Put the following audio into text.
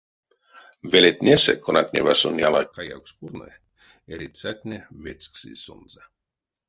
Велетнесэ, конатнева сон яла каявкс пурны, эрицятне вечксызь сонзэ.